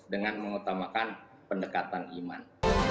dengan mengutamakan pendekatan iman